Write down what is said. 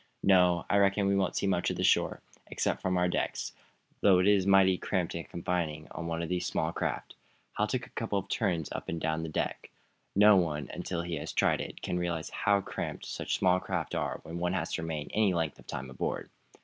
No; I reckon we won't see much of the shore, except from our decks, though it is mighty cramped and confining on one of these small craft." Hal took a couple of turns up and down the deck. No one, until he has tried it, can realize how cramped such small craft are when one has to remain any length of time aboard.